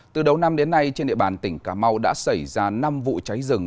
từ đầu năm đến nay trên địa bàn tỉnh cà mau đã xảy ra năm vụ cháy rừng